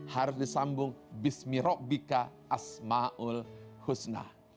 harus disambung bismi robbika asma'ul husna